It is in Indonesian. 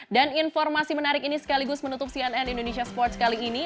dan informasi menarik ini sekaligus menutup cnn indonesia sports kali ini